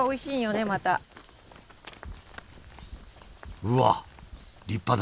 うわ立派だ！